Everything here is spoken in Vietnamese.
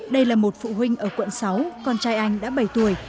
đây là một phụ huynh ở quận sáu con trai anh đã bảy tuổi